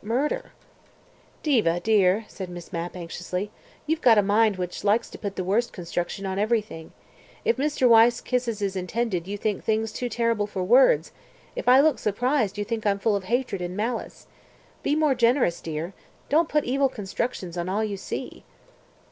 Murder." "Diva dear," said Miss Mapp anxiously, "you've got a mind which likes to put the worst construction on everything. If Mr. Wyse kisses his intended you think things too terrible for words; if I look surprised you think I'm full of hatred and malice. Be more generous, dear. Don't put evil constructions on all you see."